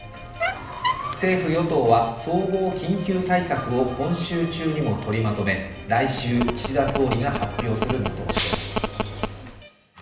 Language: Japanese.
政府・与党は総合緊急対策を今週中にも取りまとめ来週、岸田総理が発表する見通しです。